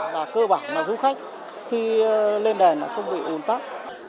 và cơ bản là du khách khi lên đèn là không bị ồn tắc